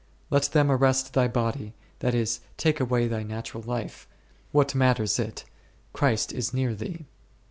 Let them arrest thy body, that is, take away thy natural life, what matters it, Christ is near thee.